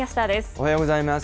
おはようございます。